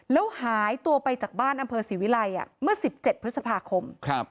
แล้วหายตัวไปจากบ้านอำเภอศรีวิลัยเมื่อ๑๗พฤษภาคม